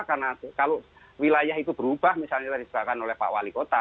karena kalau wilayah itu berubah misalnya tadi diserahkan oleh pak wali kota